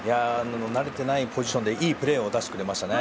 慣れてないポジションでいいプレーを出してくれましたね。